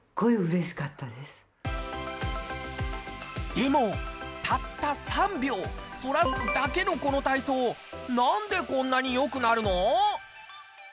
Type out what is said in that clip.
でもたった３秒反らすだけのこの体操なんでこんなに良くなるの？